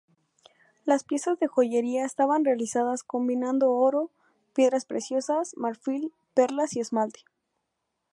Las piezas de joyería estaban realizadas combinando oro, piedras preciosas, marfil, perlas y esmalte.